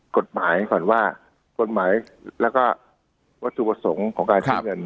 กฎหมายก่อนว่ากฎหมายแล้วก็วัตถุประสงค์ของการใช้เงิน